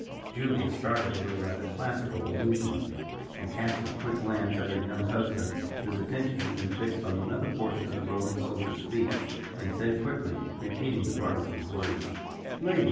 Julia started a little at the classical allusion, and cast a quick glance toward her young husband, whose attention had been fixed on another portion of the roving soldier's speech, and said quickly, repeating the Partisan's word: "Lady!